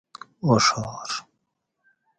اوڄھار